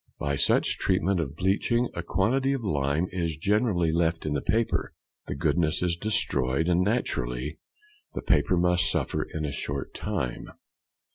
By such treatment of bleaching a quantity of lime is generally left in the paper, the goodness is destroyed, and naturally the paper must suffer in a short time.